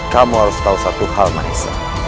kamu harus tahu satu hal manisa